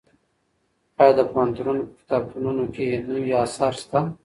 ایا د پوهنتونونو په کتابتونونو کې نوي اثار شته؟